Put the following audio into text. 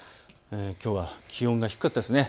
きょうは気温が低かったですね。